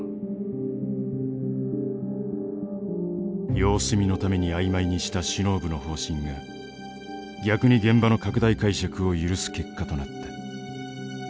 様子見のために曖昧にした首脳部の方針が逆に現場の拡大解釈を許す結果となった。